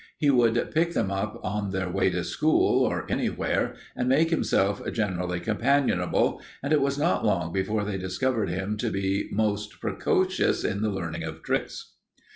He would pick them up on their way to school, or anywhere, and make himself generally companionable, and it was not long before they discovered him to be most precocious in the learning of tricks.